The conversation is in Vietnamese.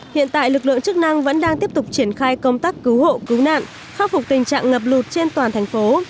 hiện tại lực lượng chức năng vẫn đang tiếp tục triển khai công tác cứu hộ cứu nạn khắc phục tình trạng ngập lụt trên toàn thành phố